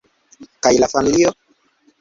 Kaj la familio?